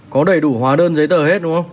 có đầy đủ hóa đơn giấy tờ hết đúng không